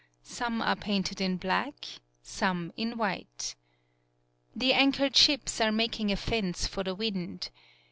Some are painted in black, some in white. The anchored ships are making a fence for the wind.